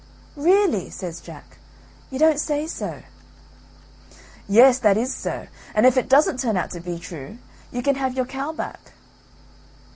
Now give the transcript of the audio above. "Really?" says Jack; "you don't say so." "Yes, that is so, and if it doesn't turn out to be true you can have your cow back."